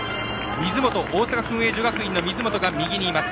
大阪薫英女学院の水本が右にいます。